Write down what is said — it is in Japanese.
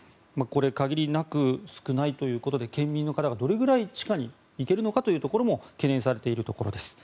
限りなく少ないということで県民の方がどれぐらい地下に行けるのかも懸念されているところです。